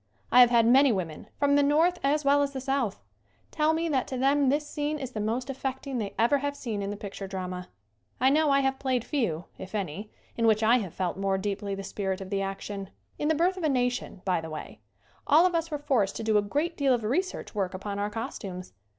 I have had many women, from the North as well as the South, tell me that to them this scene is the most af fecting they ever have seen in the picture drama. I know I have played few, if any, in which I have felt more deeply the spirit of the action. In "The Birth of a Nation," by the way, all of us were forced to do a great deal of research work upon our costumes.